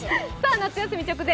夏休み直前！